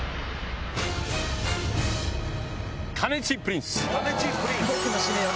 カネチープリンス。